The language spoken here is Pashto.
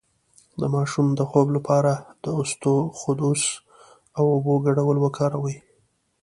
د ماشوم د خوب لپاره د اسطوخودوس او اوبو ګډول وکاروئ